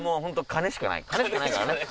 金しかないからね？